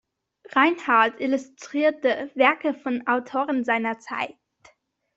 Reinhardt illustrierte Werke von Autoren seiner Zeit.